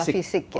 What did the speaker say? masalah fisik ya